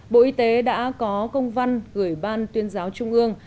bộ y tế đã có công văn gửi ban tuyên giáo trung ương